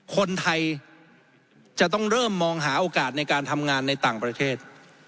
คนไทยจะต้องเริ่มมองหาโอกาสในการทำงานในต่างประเทศ